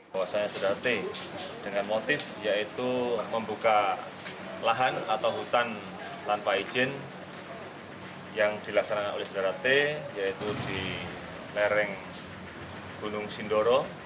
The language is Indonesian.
bahwasannya saudara t dengan motif yaitu membuka lahan atau hutan tanpa izin yang dilaksanakan oleh saudara t yaitu di lereng gunung sindoro